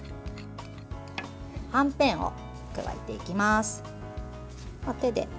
はんぺんを加えていきます。